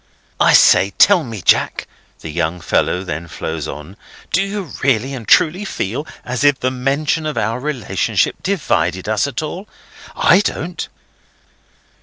"I say! Tell me, Jack," the young fellow then flows on: "do you really and truly feel as if the mention of our relationship divided us at all? I don't."